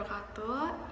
assalamualaikum wr wb